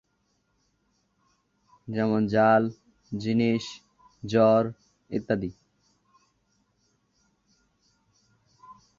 যেমন "জাল", "জিনিস", "জ্বর", ইত্যাদি।